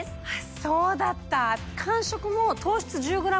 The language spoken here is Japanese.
そうだった！